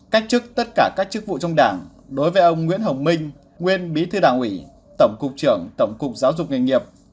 cách chức tất cả các chức vụ trong đảng đối với ông nguyễn hồng minh nguyên bí thư đảng ủy tổng cục trưởng tổng cục giáo dục nghề nghiệp